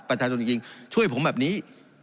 การปรับปรุงทางพื้นฐานสนามบิน